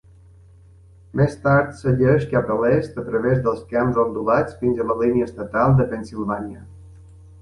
Més tard segueix cap a l'est a través dels camps ondulats fins a la línia estatal de Pensilvània.